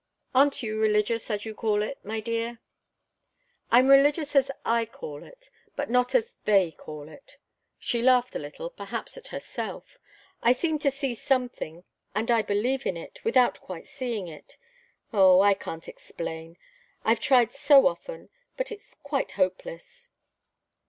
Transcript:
Aren't you religious, as you call it, my dear?" "I'm religious, as I call it but not as 'they' call it." She laughed a little, perhaps at herself. "I seem to see something, and I believe in it, without quite seeing it. Oh, I can't explain! I've tried so often, but it's quite hopeless."